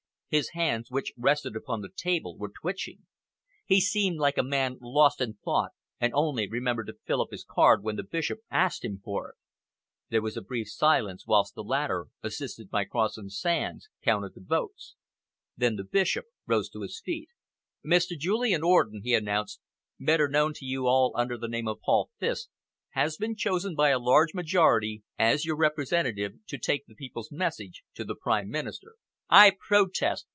His hands, which rested upon the table, were twitching. He seemed like a man lost in thought and only remembered to fill up his card when the Bishop asked him for it. There was a brief silence whilst the latter, assisted by Cross and Sands, counted the votes. Then the Bishop rose to his feet. "Mr. Julian Orden," he announced, "better known to you all under the name of 'Paul Fiske', has been chosen by a large majority as your representative to take the people's message to the Prime Minister." "I protest!"